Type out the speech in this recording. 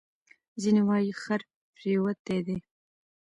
ځینې وایي خر پرېوتی دی.